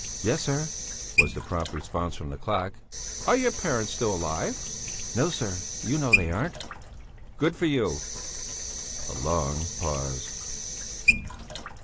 "Yes sir!" was the prompt response from the clock. "Are your parents still alive?" "No, sir, you know they aren't." "Good for you." A long pause.